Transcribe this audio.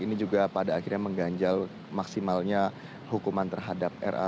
ini juga pada akhirnya mengganjal maksimalnya hukuman terhadap ra